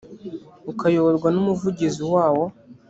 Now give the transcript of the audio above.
ukayoborwa n’umuvugizi wawo